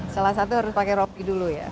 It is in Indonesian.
salah satu harus pakai ropi dulu ya